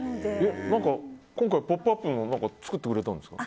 今回「ポップＵＰ！」にも作ってくれたんですか？